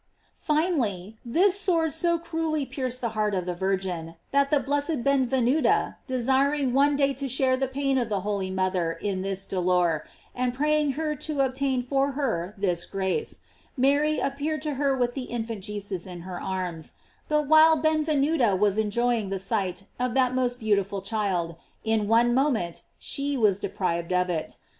Fi nally, this sword so cruelly pierced the heart of the Virgin, that the blessed Benvenuta, desiring one day to share tho pain of the holy mother in this dolor, and praying her to obtain for her this grace, Mary appeared to her with the infant Jesus in her arms; but while Benvenuta was enjoying the sight of that most beautiful child, in one moment she was deprived of it.